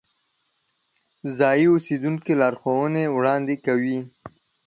ځایی اوسیدونکي لارښوونې وړاندې کوي.